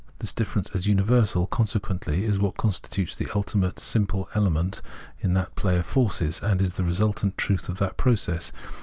This difference as universal, consequently, is what constitutes the ultimate simple element in that play of forces, and is the resultant truth of that process.